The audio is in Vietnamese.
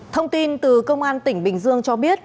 thông tin từ công an tỉnh bình dương cho biết